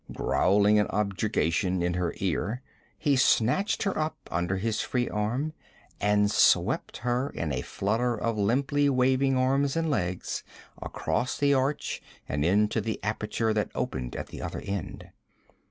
Growling an objurgation in her ear, he snatched her up under his free arm and swept her, in a flutter of limply waving arms and legs, across the arch and into the aperture that opened at the other end.